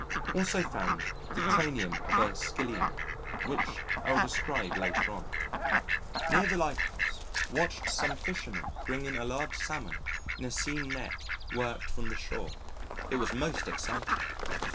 Also found the cranium of a Scyllium, which I will describe later on. Near the Lighthouse watched some fishermen bring in a large Salmon in a seine net worked from the shore. It was most exciting.